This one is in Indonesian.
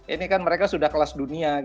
ini kan mereka sudah kelas dunia